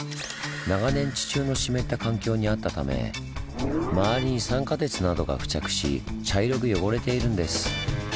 長年地中の湿った環境にあったため周りに酸化鉄などが付着し茶色く汚れているんです。